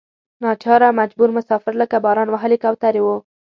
ناچاره مجبور مسافر لکه باران وهلې کوترې وو.